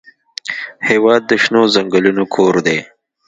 هېواد د شنو ځنګلونو کور دی.